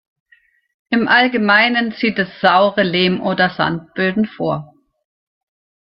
Im Allgemeinen zieht es saure Lehm- oder Sandböden vor.